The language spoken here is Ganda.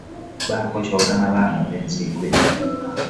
Bakko kyongamaba mulenzi gwe.